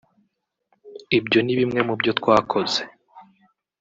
Ibyo ni bimwe mu byo twakoze